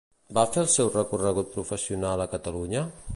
Va fer el seu recorregut professional a Catalunya?